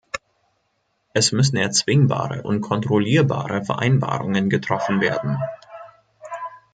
Es müssen erzwingbare und kontrollierbare Vereinbarungen getroffen werden.